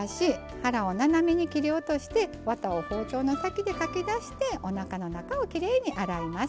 腹を斜めに切り落としてわたを包丁の先でかき出しておなかの中をきれいに洗います。